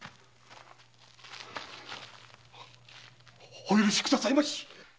お許し下さいまし。